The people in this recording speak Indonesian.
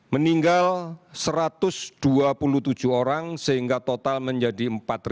meninggal satu ratus dua puluh tujuh orang sehingga total menjadi empat satu ratus empat puluh tiga